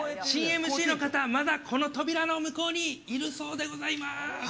新ＭＣの方、まだこの扉の向こうにいるそうでございます。